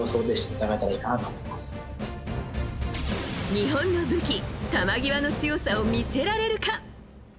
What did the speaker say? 日本の武器球際の強さを見せられるか。